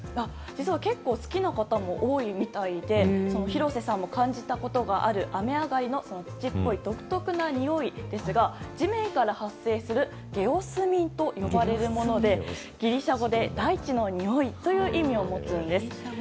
実は結構、好きな方も多いみたいで廣瀬さんも感じたことがある雨上がりの土っぽい独特なにおいですが地面から発生するゲオスミンと呼ばれるものでギリシャ語で大地のにおいという意味を持つんです。